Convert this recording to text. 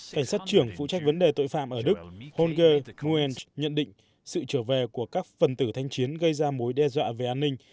cảnh sát trưởng phụ trách vấn đề tội phạm ở đức honge huen nhận định sự trở về của các phần tử thanh chiến gây ra mối đe dọa về an ninh